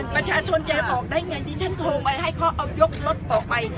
ประชาชนยาตอบได้ไงดิฉันโทรมาให้ให้เขายกรถออกไป